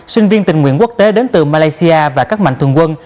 sinh viên tình nguyện quốc tế đến từ malaysia và các mạnh thường quân